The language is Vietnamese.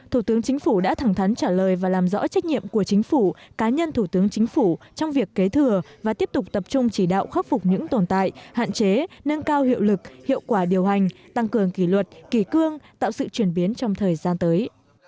thủ tướng chính phủ đã thẳng thắn trả lời và làm rõ trách nhiệm của chính phủ cá nhân thủ tướng chính phủ trong việc kế thừa và tiếp tục tập trung chỉ đạo khắc phục những tồn tại hạn chế nâng cao hiệu lực hiệu quả điều hành tăng cường kỷ luật kỳ cương tạo sự chuyển biến trong thời gian tới